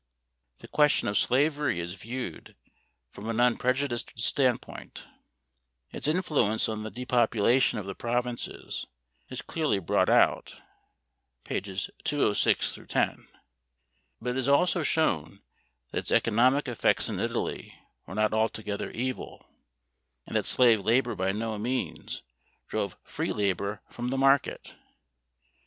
The question of slavery is viewed from an unprejudiced standpoint. Its influence on the depopulation of the provinces is clearly brought out (pp. 206 10), but it is also shown that its economic effects in Italy were not altogether evil, and that slave labor by no means drove free labor from the market (pp.